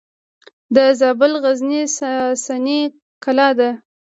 د زابل غزنیې ساساني کلا ده